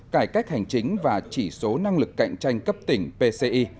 cải cách hành chính và chỉ số năng lực cạnh tranh cấp tỉnh pci